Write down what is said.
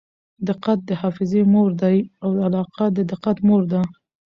دقت د حافظې مور دئ او علاقه د دقت مور ده.